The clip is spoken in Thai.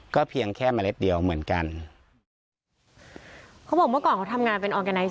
เพียงแค่เมล็ดเดียวเหมือนกันเขาบอกเมื่อก่อนเขาทำงานเป็นออร์แกไนซ